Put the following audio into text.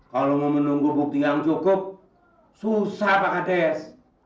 kalau mau menunggu bukti yang cukup susah pak kades